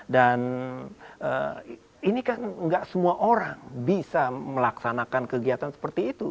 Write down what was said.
dan ini kan enggak semua orang bisa melaksanakan kegiatan seperti itu